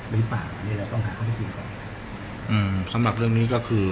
ในฝ่ามันเนี่ยเราต้องหาเครื่องเข้าจริงก่อนเอิ่มสำหรับเรื่องนี้ก็คือ